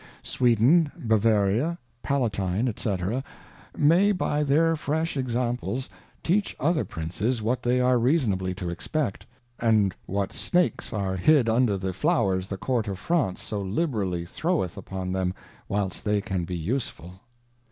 Sweden, Bavaria, Palatine, 4"C. may by their Fresh Examples, teach other Princes what they are reasonably to expect, and what Snakes are hid under the Flowers the Court of France so liberally throweth upon them whilst they can be useful.